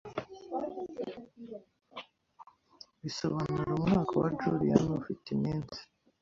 bisobanura umwaka wa Julia nufite iminsi